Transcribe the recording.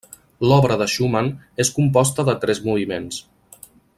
L'obra de Schumann és composta de tres moviments.